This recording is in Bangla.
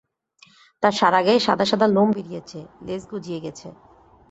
তাঁর সারাগায়ে সাদা-সাদা লোম বেরিয়েছে লেজ গজিয়ে গেছে।